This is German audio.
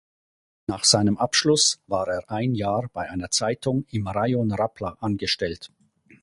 Nach seinem Abschluss war er ein Jahr bei einer Zeitung im Rajon Rapla angestellt.